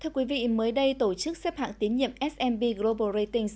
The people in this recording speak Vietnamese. thưa quý vị mới đây tổ chức xếp hạng tín nhiệm smb global rating